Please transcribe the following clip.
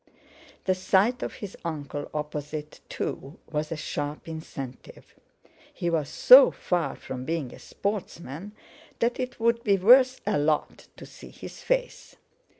The sight of his uncle opposite, too, was a sharp incentive. He was so far from being a sportsman that it would be worth a lot to see his face.